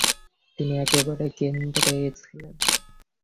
তিনি একেবারে কেন্দ্রে ছিলেন।